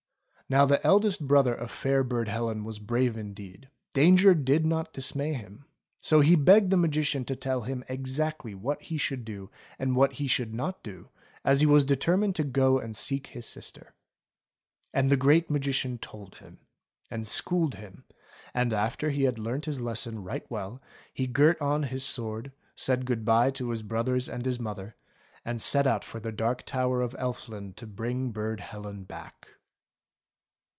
Now the eldest brother of fair Burd Helen was brave indeed, danger did not dismay him, so he begged the Magician to tell him exactly what he should do, and what he should not do, as he was determined to go and seek his sister. And the Great Magician told him, and schooled him, and after he had learnt his lesson right well he girt on his sword, said good bye to his brothers and his mother, and set out for the Dark Tower of Elfland to bring Burd Helen back.